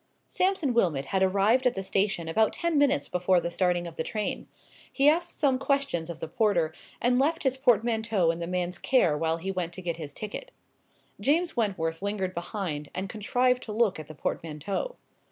Sampson Wilmot had arrived at the station about ten minutes before the starting of the train. He asked some questions of the porter, and left his portmanteau in the man's care while he went to get his ticket. James Wentworth lingered behind, and contrived to look at the portmanteau.